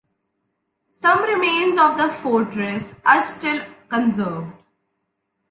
Some remains of the fortress are still conserved.